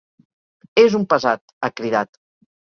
És un pesat, ha cridat.